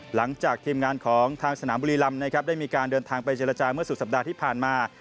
หลังจากทีมงานของทางสนามบุรีรำนะครับได้มีการเดินทางไปเจรจาเมื่อสุดสัปดาห์ที่ผ่านมา